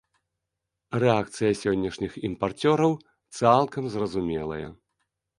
Рэакцыя сённяшніх імпарцёраў цалкам зразумелая.